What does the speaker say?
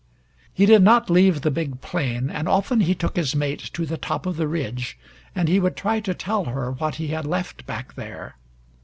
He did not leave the big plain, and often He took his mate to the top of the ridge, and he would try to tell her what he had left back there.